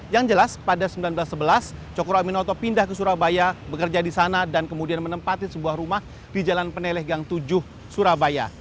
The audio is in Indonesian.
yang jelas pada seribu sembilan ratus sebelas cokro aminoto pindah ke surabaya bekerja di sana dan kemudian menempati sebuah rumah di jalan peneleh gang tujuh surabaya